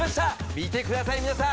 見てください皆さん